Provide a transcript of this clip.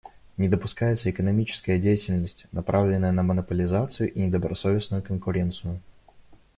Не допускается экономическая деятельность, направленная на монополизацию и недобросовестную конкуренцию.